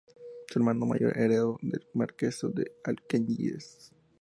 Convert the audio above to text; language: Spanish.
Su hermano mayor heredó el marquesado de Alcañices.